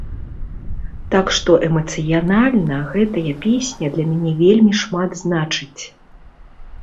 Так што эмацыянальна гэтая песня для мяне вельмі шмат значыць.